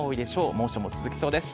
猛暑も続きそうです。